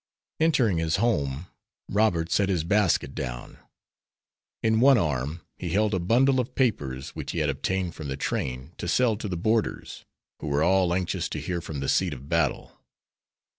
Entering his home, Robert set his basket down. In one arm he held a bundle of papers which he had obtained from the train to sell to the boarders, who were all anxious to hear from the seat of battle.